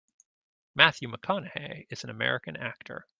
Matthew McConaughey is an American actor.